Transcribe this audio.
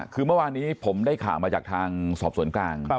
คือเมื่อวานนี้ผมได้ข่าวมาจากทางสอบสวนกลาง